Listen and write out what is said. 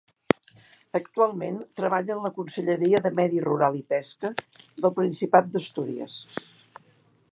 Actualment treballa en la Conselleria de Medi Rural i Pesca del Principat d'Astúries.